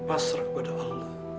kamu harus masrak kepada allah